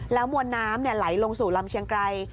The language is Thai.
มวลน้ำไหลลงสู่ลำเชียงไกร